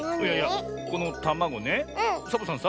このたまごねサボさんさ